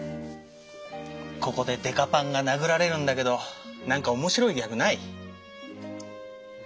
ここでデカパンが殴られるんだけど何か面白いギャグない？